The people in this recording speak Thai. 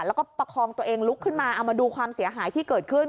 แล้วก็ประคองตัวเองลุกขึ้นมาเอามาดูความเสียหายที่เกิดขึ้น